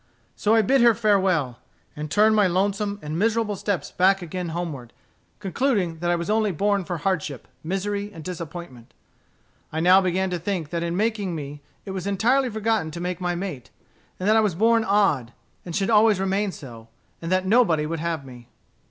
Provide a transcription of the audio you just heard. So I bid her farewell, and turned my lonesome and miserable steps back again homeward, concluding that I was only born for hardship, misery, and disappointment. I now began to think that in making me it was entirely forgotten to make my mate; that I was born odd, and should always remain so, and that nobody would have me.